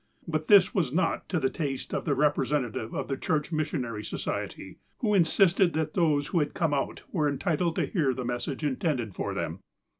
But this was not to the taste of the representative of the Church Missionary Society, who in sisted that those who had come out were entitled to hear the message intended for them.